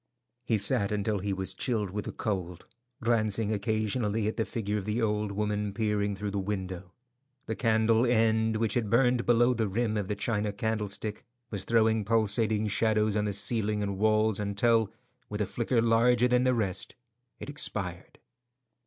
He sat until he was chilled with the cold, glancing occasionally at the figure of the old woman peering through the window. The candle end, which had burned below the rim of the china candlestick, was throwing pulsating shadows on the ceiling and walls, until, with a flicker larger than the rest, it expired.